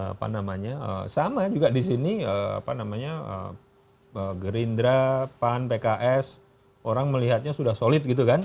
apa namanya sama juga di sini apa namanya gerindra pan pks orang melihatnya sudah solid gitu kan